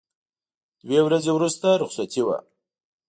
دوه ورځې وروسته رخصتي وه.